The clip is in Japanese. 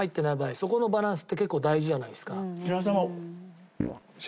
そこのバランスって結構大事じゃないですか。